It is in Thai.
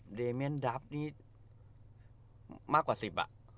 ใช่เดมินดัฟนี่มักกว่าสิบอ่ะ